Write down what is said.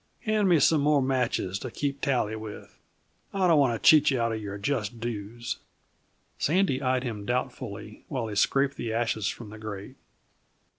Hand me some more matches to keep tally with. I don't want to cheat you out of your just dues." Sandy eyed him doubtfully while he scraped the ashes from the grate.